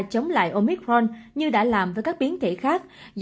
chống lại omitron như đã làm với các biến thể khác